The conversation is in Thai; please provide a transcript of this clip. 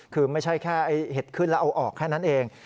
คือไม่ใช่แค่เห็ดขึ้นแล้วเอาออกแค่นั้นเอง